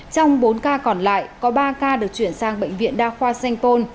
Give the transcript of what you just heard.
trong bốn ca còn lại có ba ca được chuyển sang bệnh viện đa khoa sanh tôn